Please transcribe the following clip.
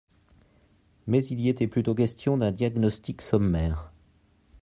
Mais il y était plutôt question d’un diagnostic sommaire.